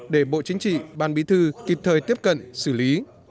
để bộ chính trị ban bí thư kịp thời tiếp cận xử lý